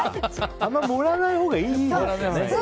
あんまり盛らないほうがいいですね。